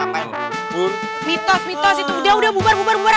mitos mitos itu dia udah bubur bubur